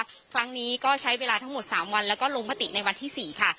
ครั้งนี้ก็ใช้เวลาทั้งหมด๓วันแล้วก็ลงมติในวันที่๔ค่ะ